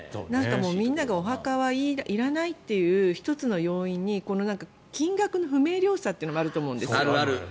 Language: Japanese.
みんながお墓はいらないという１つの要因に金額の不明瞭さというのがあるとあるある。